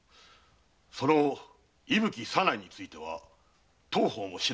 その伊吹左内については当方も調べましたが。